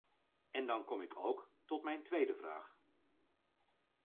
En dan kom ik ook tot mijn tweede vraag.